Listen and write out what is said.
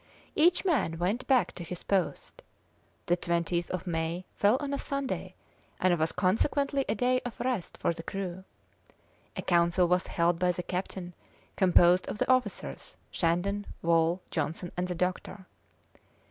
Each man went back to his post. The 20th of May fell on a Sunday, and was consequently a day of rest for the crew. A council was held by the captain, composed of the officers, Shandon, Wall, Johnson, and the doctor.